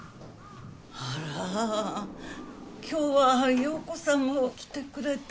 あら今日は陽子さんも来てくれたの。